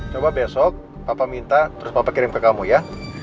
coba besok papa minta terus bapak kirim ke kamu ya